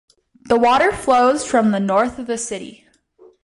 The water flows from the north of the city.